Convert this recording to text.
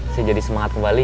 saya jadi semangat kembali